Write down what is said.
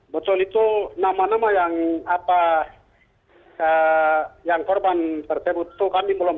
betul itu nama nama yang korban tersebut itu kami belum